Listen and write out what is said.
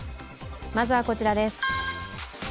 まずはこちらです。